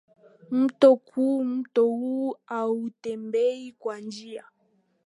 mto kuu Mto huu hautembei kwa njia